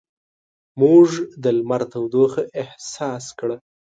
موږ د لمر تودوخه احساس کړه.